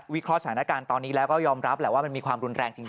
เคราะห์สถานการณ์ตอนนี้แล้วก็ยอมรับแหละว่ามันมีความรุนแรงจริง